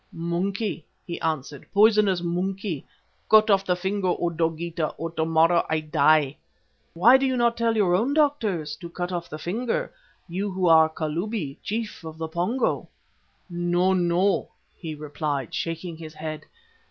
"'Monkey,' he answered, 'poisonous monkey. Cut off the finger, O Dogeetah, or tomorrow I die.' "'Why do you not tell your own doctors to cut off the finger, you who are Kalubi, Chief of the Pongo?' "'No, no,' he replied, shaking his head.